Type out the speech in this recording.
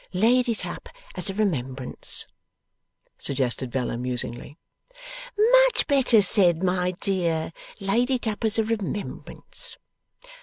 'Laid it up as a remembrance,' suggested Bella, musingly. 'Much better said, my dear; laid it up as a remembrance.